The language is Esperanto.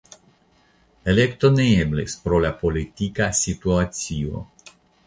Elekto ne eblis pro la politika situacio.